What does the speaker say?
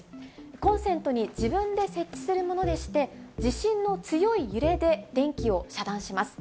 コンセントに自分で設置するものでして、地震の強い揺れで電気を遮断します。